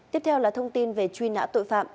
tiếp theo là thông tin về truy nã tội phạm